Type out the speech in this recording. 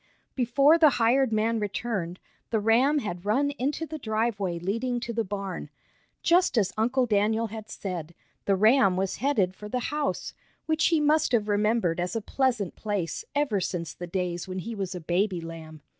Before the hired man returned, the ram had run into the driveway leading to the barn. Just as Uncle Daniel had said, the ram was headed for the house, which he must have remembered as a pleasant place ever since the days when he was a baby lamb.